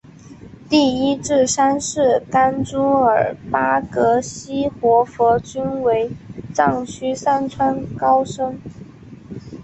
第一至三世甘珠尔巴格西活佛均为藏区散川高僧。